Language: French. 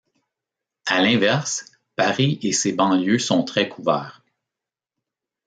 À l'inverse, Paris et ses banlieues sont très couverts.